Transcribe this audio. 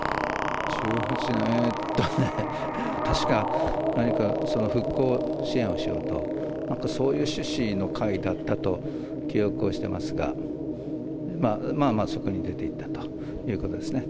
１８年、えーっとね、確か、何か復興支援をしようと、なんかそういう趣旨の会だったと記憶をしてますが、まあまあそこに出ていたということですね。